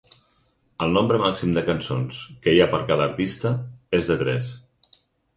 El nombre màxim de cançons que hi ha per cada artista és de tres.